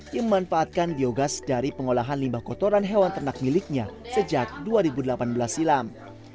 yang memanfaatkan biogas dari pengolahan limbah kotoran hewan ternak miliknya sejak dua ribu delapan belas silam